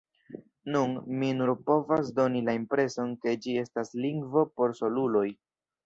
Nun, mi nur povas doni la impreson ke ĝi estas lingvo por soluloj.